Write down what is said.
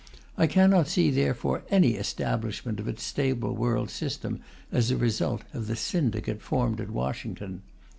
I cannot see, therefore, any establishment of a stable world system as a result of the syndicate formed at Washington.